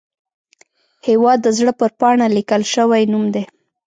هیواد د زړه پر پاڼه لیکل شوی نوم دی